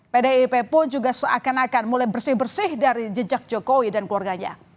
pdip pun juga seakan akan mulai bersih bersih dari jejak jokowi dan keluarganya